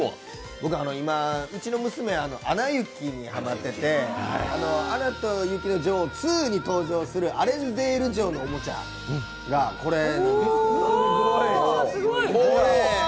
僕、今うちの娘「アナ雪」にハマってて「アナと雪の女王２」に登場するアレンデール城のおもちゃがこれなんですけど。